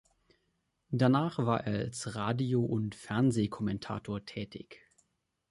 Danach war er als Radio- und Fernsehkommentator tätig.